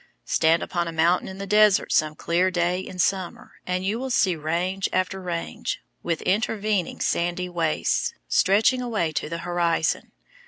Stand upon a mountain in the desert some clear day in summer and you will see range after range, with intervening sandy wastes, stretching away to the horizon.